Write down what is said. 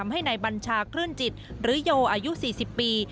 ให้นายบัญชาคลื่นจิตหรือโยอายุ๔๐ปี